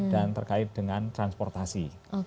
dan terkait dengan transportasi